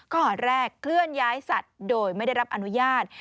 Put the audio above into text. ข้อหาแรกเคลื่อนย้ายสัตว์โดยไม่ได้รับอนุญาต